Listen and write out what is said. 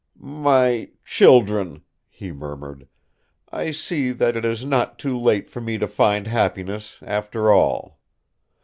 "My children," he murmured, "I see that it is not too late for me to find happiness, after all.